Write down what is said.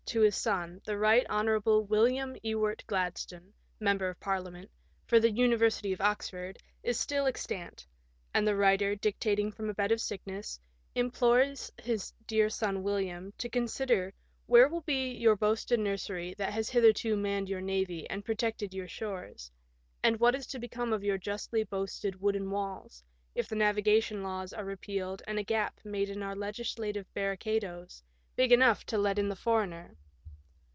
to his son, the. Bight Hon. W. Ewart Gladstone, M.P. "for the University of Oxford," is still extant ; and the writer, dictating from a bed of sickness, implores his '' dear son William " to consider " where will be your boasted nursery that has hitherto manned your navy and protected your shores,'* and "what is to become of your justly boasted wooden walls," if the navigation laws are repealed and a gap made in our legislative barricadoes big enough to let in the foreigner